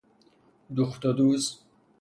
دوخت و دوز